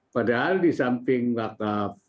padahal di samping wakaf